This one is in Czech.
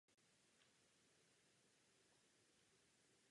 Samozřejmě uznávám, že jsou všechny kontroly z osobního hlediska invazivní.